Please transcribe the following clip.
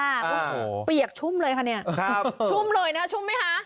โอ้โหเปียกชุ่มเลยค่ะเนี่ยชุ่มเลยนะชุ่มไหมคะ